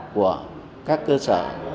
của các cơ sở